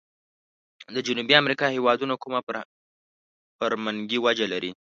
د جنوبي امريکا هیوادونو کومه فرمنګي وجه لري؟